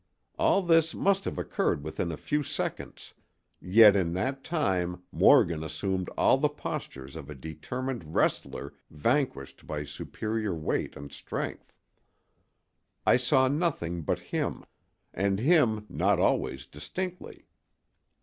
"All this must have occurred within a few seconds, yet in that time Morgan assumed all the postures of a determined wrestler vanquished by superior weight and strength. I saw nothing but him, and him not always distinctly.